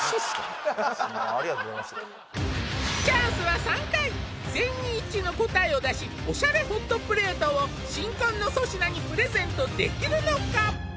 チャンスは３回全員一致の答えを出しおしゃれホットプレートを新婚の粗品にプレゼントできるのか？